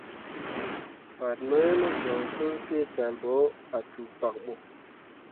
Fan mai mo joŋ pu peecal ɓo ah cuu pkak ɓo.